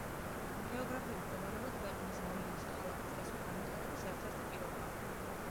გეოგრაფიული მდებარეობა ქვეყნის, რაიონის, ქალაქის და სხვა განვითარების ერთ-ერთი პირობაა.